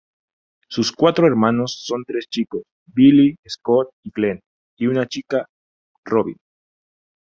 Sus cuatro hermanos son tres chicosː Billy, Scott, y Glenn; y una chicaː Robin.